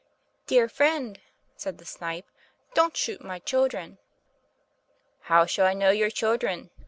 "Dear friend," said the Snipe, "don't shoot my children!" "How shall I know your children?"